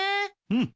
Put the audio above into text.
うん。